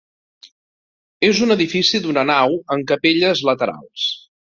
És un edifici d'una nau amb capelles laterals.